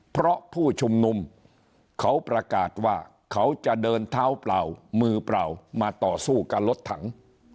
เพราะผู้ชุมนุมเขาประกาศว่าเขาจะเดินเท้าเปล่ามือเปล่ามาต่อสู้กับรถถัง